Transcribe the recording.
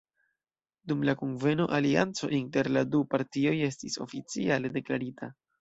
Dum la kunveno, alianco inter la du partioj estis oficiale deklarita.